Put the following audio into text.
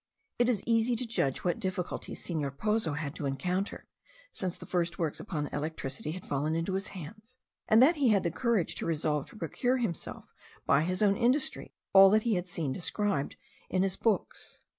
It is easy to judge what difficulties Senor Pozo had to encounter, since the first works upon electricity had fallen into his hands, and that he had the courage to resolve to procure himself, by his own industry, all that he had seen described in his books.